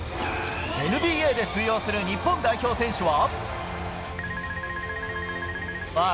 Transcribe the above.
ＮＢＡで通用する日本代表選手は。